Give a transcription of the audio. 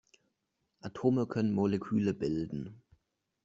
Atome können Moleküle bilden.